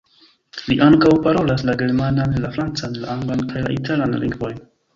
Li ankaŭ parolas la germanan, la francan, la anglan kaj la italan lingvojn.